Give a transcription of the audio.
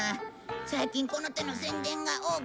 最近この手の宣伝が多くて。